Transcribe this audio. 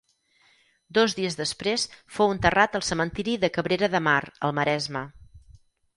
Dos dies després fou enterrat al cementiri de Cabrera de Mar, al Maresme.